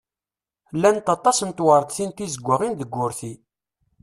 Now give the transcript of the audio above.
Llant waṭas n tewreḍtin tizeggaɣin deg wurti.